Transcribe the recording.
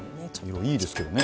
色いいですけどね